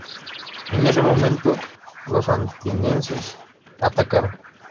En ese momento, los atenienses atacaron.